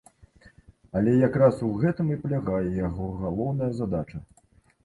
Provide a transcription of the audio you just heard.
Але якраз у гэтым і палягае яго галоўная задача!